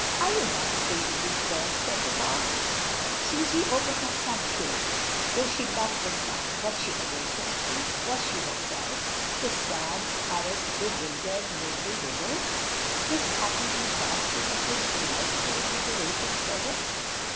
"Are you not afraid of being burnt?" said Du Pare, Susy opened her sunshade, though she loved the sun. Was she awake or asleep; was this herself, the sad, harassed, bewildered, lonely widow, this happy being basking in this delightful, invigorating pre sent?